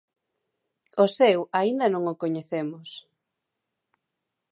"O seu aínda non o coñecemos".